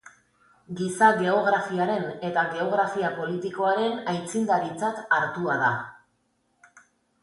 Giza Geografiaren eta Geografia Politikoaren aitzindaritzat hartua da.